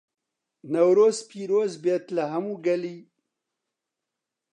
نەورۆز پیرۆزبێت لە هەموو گەلی